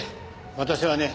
私はね